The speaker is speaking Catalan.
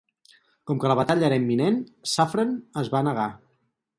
Com que la batalla era imminent, Suffren es va negar.